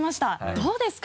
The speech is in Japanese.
どうですか？